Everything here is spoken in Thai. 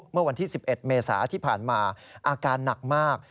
เมื่อวันที่๑๑เมษาที่ผ่านมาอาการหนักมาก